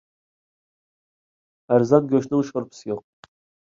ئەرزان گۆشنىڭ شورپىسى يوق.